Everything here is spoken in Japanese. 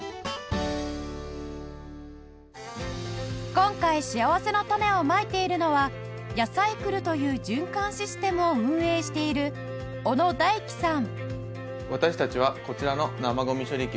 今回しあわせのたねをまいているのはヤサイクルという循環システムを運営している小野太基さん